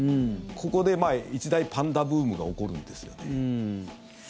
ここで一大パンダブームが起こるんですよね。